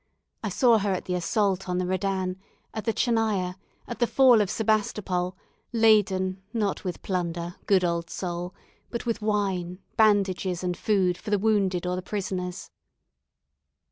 I saw her at the assault on the Redan, at the Tchernaya, at the fall of Sebastopol, laden, not with plunder, good old soul! but with wine, bandages, and food for the wounded or the prisoners."